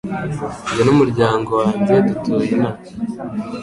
Njye n'umuryango wanjye dutuye inaha